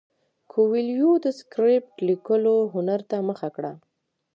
کویلیو د سکرېپټ لیکلو هنر ته مخه کړه.